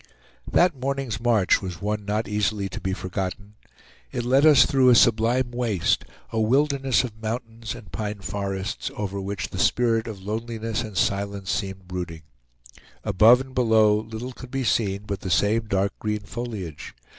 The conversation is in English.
That morning's march was one not easily to be forgotten. It led us through a sublime waste, a wilderness of mountains and pine forests, over which the spirit of loneliness and silence seemed brooding. Above and below little could be seen but the same dark green foliage.